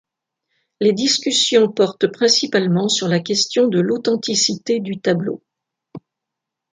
Les discussions portent principalement sur la question de l'authenticité du tableau.